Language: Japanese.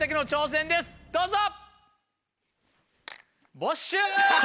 どうぞ。